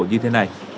như thế này